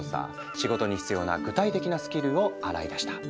仕事に必要な具体的なスキルを洗い出した。